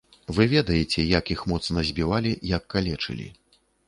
Вы ведаеце, як іх моцна збівалі, як калечылі.